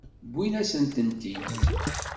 Wwin-asent-ten-id.